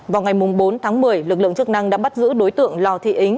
vào ngày bốn tháng một mươi lực lượng chức năng đã bắt giữ đối tượng lào thị ính